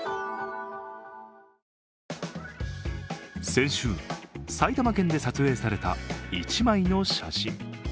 先週、埼玉県で撮影された１枚の写真。